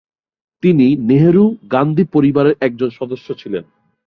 তিনি নেহরু- গান্ধী পরিবার এর একজন সদস্য ছিলেন।